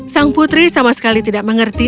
sang putri sama sekali tidak mengerti